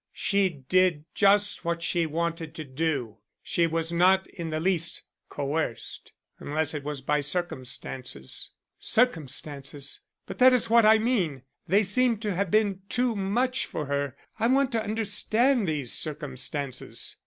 "She did just what she wanted to do. She was not in the least coerced, unless it was by circumstances." "Circumstances! But that is what I mean. They seem to have been too much for her. I want to understand these circumstances."